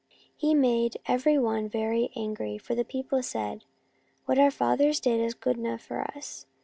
He made every one very angry, for the people said, ' What our fathers did is good enough for us